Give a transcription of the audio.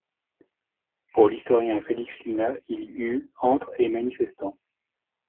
Pour l’historien Félix Luna, il y eut entre et manifestants.